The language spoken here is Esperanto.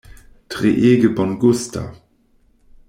Treege bongusta!